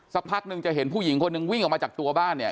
สักพักนึงจะเห็นผู้หญิงคนหนึ่งวิ่งออกมาจากตัวบ้านเนี่ย